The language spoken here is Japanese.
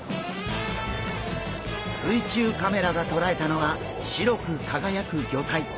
水中カメラがとらえたのは白く輝く魚体！